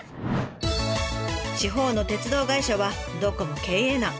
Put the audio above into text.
地方の鉄道会社はどこも経営難。